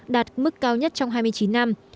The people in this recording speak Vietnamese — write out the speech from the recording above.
đạt mức cao nhất trong hai mươi chín năm